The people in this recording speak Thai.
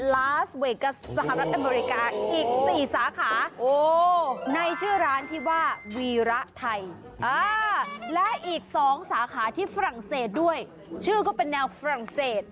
และอีกสองสาขาที่ฝรั่งเศสด้วยชื่อก็เป็นแนวฝรั่งเศส